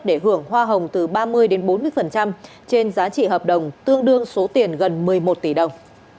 để hưởng hoa hồng từ ba mươi đến bốn mươi trên giá trị hợp đồng tương đương số tiền gần một mươi một tỷ đồng